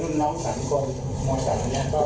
หรือข้อมือของรุ่นพี่มาสนใจที่คุณเหล็กชุ่ม